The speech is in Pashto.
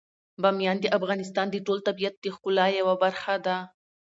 بامیان د افغانستان د ټول طبیعت د ښکلا یوه برخه ده.